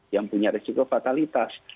yang punya risiko fatalitas